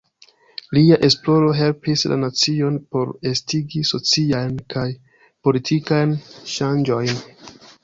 Lia esploro helpis la nacion por estigi sociajn kaj politikajn ŝanĝojn.